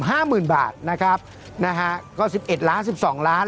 ห้าหมื่นบาทนะครับนะฮะก็สิบเอ็ดล้านสิบสองล้าน